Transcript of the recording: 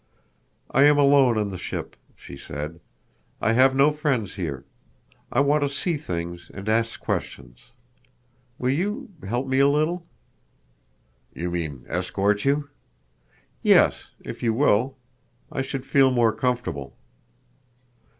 "I am alone on the ship," she said. "I have no friends here. I want to see things and ask questions. Will you ... help me a little?" "You mean ... escort you?" "Yes, if you will. I should feel more comfortable."